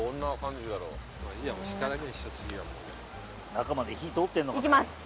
・中まで火通ってるのかね？